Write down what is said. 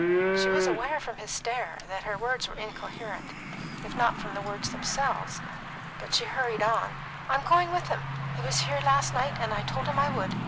She was aware from his stare that her words were incoherent, if not from the words themselves, but she hurried on: "I am going with him. He was here last night, and I told him I would.